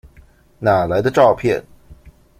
哪來的照片？